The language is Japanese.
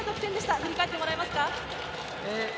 振り返ってもらえますか。